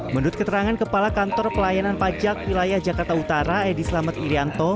menurut keterangan kepala kantor pelayanan pajak wilayah jakarta utara edi selamat irianto